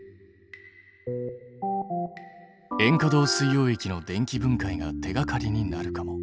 塩化銅水溶液の電気分解が手がかりになるかも。